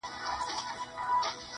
نور یې هیري کړې نارې د ګوروانانو -